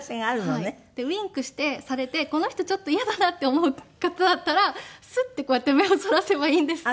でウィンクされてこの人ちょっと嫌だなって思う方だったらスッてこうやって目をそらせばいいんですって。